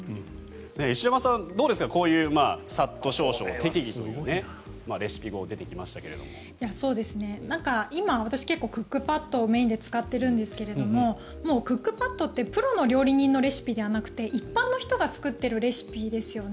石山さん、どうですかさっと、少々、適宜という私は今、クックパッドをメインで使っているんですけどもうクックパッドってプロの料理人のレシピではなくて一般の人が作っているレシピですよね。